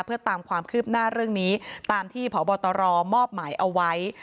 เพื่อตามความคืบหน้าเรื่องนี้ตามที่พบตรมอบหมายเอาไว้